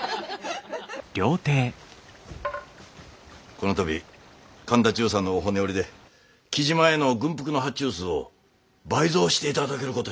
この度神田中佐のお骨折りで雉真への軍服の発注数を倍増していただけることになったんじゃ。